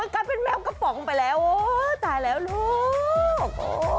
กลายเป็นแมวกระป๋องไปแล้วโอ้ตายแล้วลูก